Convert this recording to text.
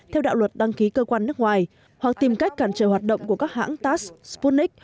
theo đạo luật đăng ký cơ quan nước ngoài hoặc tìm cách cản trời hoạt động của các hãng tass sputnik